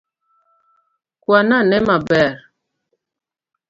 Kwan ane maber